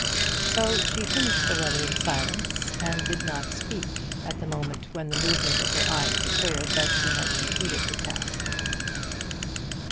So she finished the letter in silence, and did not speak at the moment when the movement of her eyes declared that she had completed the task.